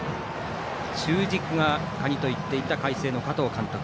中軸が鍵といっていた海星の加藤監督。